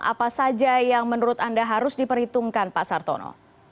apa saja yang menurut anda harus diperhitungkan pak sartono